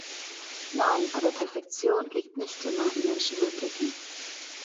Nein, aber Perfektion liegt nicht immer im Menschenmöglichen.